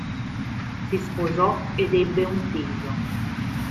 Si sposò ed ebbe un figlio.